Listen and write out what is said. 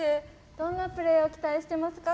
どんなプレーを期待してますか？